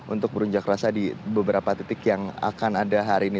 untuk berunjuk rasa di beberapa titik yang akan ada hari ini